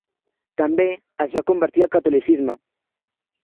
També es va convertir al catolicisme.